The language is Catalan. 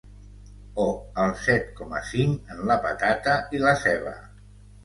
O al set coma cinc en la patata i la ceba.